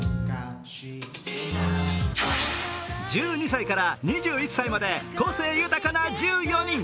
１２歳から２１歳まで個性豊かな１４人。